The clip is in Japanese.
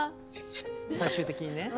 最終的にね。